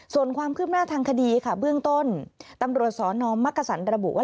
ส่วนความคืบหน้าทางคดีค่ะเบื้องต้นตำรวจสนมักกษันระบุว่า